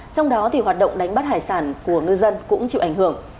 trong đó hoạt động đánh bắt hải sản của ngư dân cũng chịu ảnh hưởng